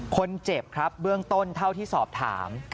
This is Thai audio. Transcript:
คนเจ็บครับเบื้องต้นเท่าที่สอบถาม